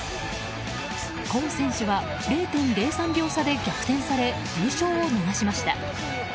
コウ選手は０．０３秒差で逆転され優勝を逃しました。